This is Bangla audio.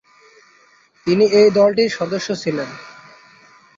তিনি এই দলটির সদস্য ছিলেন।